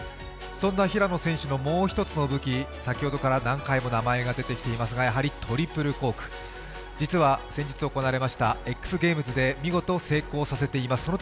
そんな平野選手のもう一つの武器何回も名前が出てきていますがやはりトリプルコーク実は先日行われましたＸＧａｍｅｓで、見事成功させています。